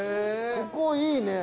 ここいいね。